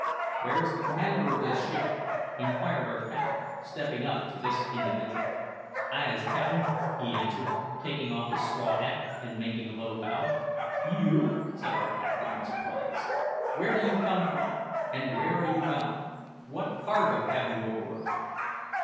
"Where's the commander of this ship?" inquired our captain, stepping up to this individual. "I is cap'in," he answered, taking off his straw hat and making a low bow. "You!" said our captain in surprise. "Where do you come from, and where are you bound? What cargo have you aboard?"